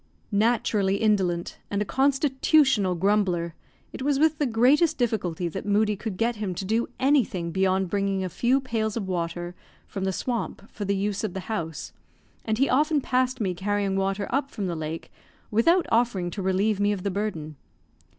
Naturally indolent, and a constitutional grumbler, it was with the greatest difficulty that Moodie could get him to do anything beyond bringing a few pails of water from the swamp for the use of the house, and he often passed me carrying water up from the lake without offering to relieve me of the burden.